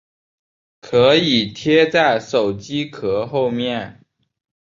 可以贴在手机壳后面